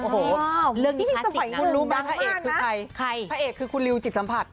โอ้โหเรื่องนี้ค่ะสิ่งนั้นมากมากนะพระเอกคือใครพระเอกคือคุณริวจิตสัมผัส